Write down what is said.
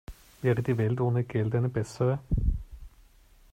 Wäre die Welt ohne Geld eine bessere?